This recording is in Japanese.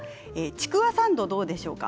ちくわサンドはどうでしょうか。